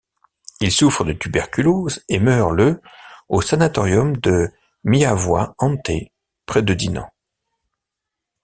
Il souffre de tuberculose et meurt le au sanatorium de Miavoye-Anthée, près de Dinant.